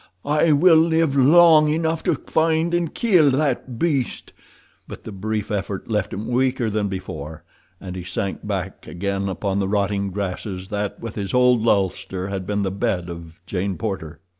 I will live long enough to find and kill that beast!" But the brief effort left him weaker than before, and he sank back again upon the rotting grasses that, with his old ulster, had been the bed of Jane Porter.